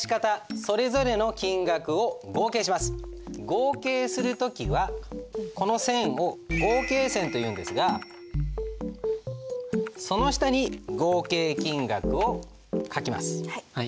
合計する時はこの線を合計線というんですがその下に合計金額を書きます。